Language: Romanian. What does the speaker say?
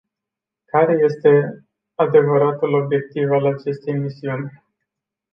Care este adevăratul obiectiv al acestei misiuni?